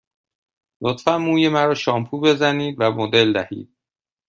لطفاً موی مرا شامپو بزنید و مدل دهید.